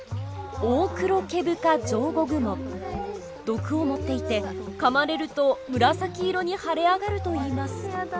毒を持っていてかまれると紫色に腫れ上がるといいます。